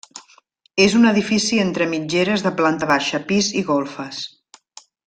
És un edifici entre mitgeres de planta baixa, pis i golfes.